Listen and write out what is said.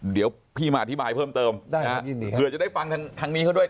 เดี๋ยวพี่มาอธิบายเพิ่มเติมได้ฮะยินดีเผื่อจะได้ฟังทางนี้เขาด้วย